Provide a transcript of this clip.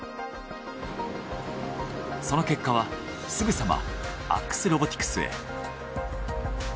その結果はすぐさまアックスロボティクスへ。